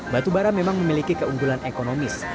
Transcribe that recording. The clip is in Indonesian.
batubara memang memiliki keunggulan ekonomis